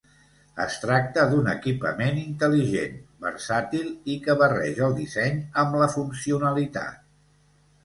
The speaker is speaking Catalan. Es tracta d'un equipament intel·ligent, versàtil i que barreja el disseny amb la funcionalitat.